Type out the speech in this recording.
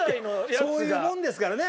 そういうもんですからね